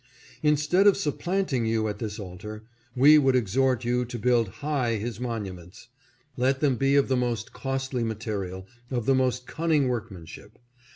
Instead of supplanting you at this altar, we would exhort you to build high his monuments ; let them be of the most costly material, of the most cunning workmanship.